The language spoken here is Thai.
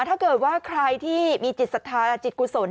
ถ้าเกิดว่าใครที่มีจิตศรัทธาอาจิตกุศล